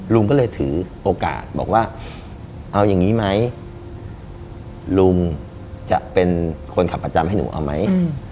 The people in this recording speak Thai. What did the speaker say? ลุงก็เลยถือโอกาสบอกว่าเอาอย่างนี้ไหมลุงจะเป็นคนขับประจำให้หนูเอาไหม